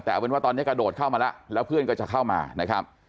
แต่เอาเป็นว่าตอนนี้กระโดดเข้ามาแล้วแล้วเพื่อนก็จะเข้ามานะครับ